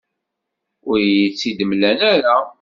Ur iyi-tt-id-mlan ara.